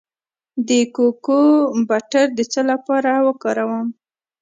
د کوکو بټر د څه لپاره وکاروم؟